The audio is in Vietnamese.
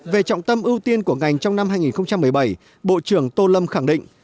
về trọng tâm ưu tiên của ngành trong năm hai nghìn một mươi bảy bộ trưởng tô lâm khẳng định